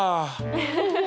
フフフフ。